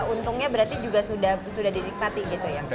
untungnya berarti juga sudah dinikmati gitu ya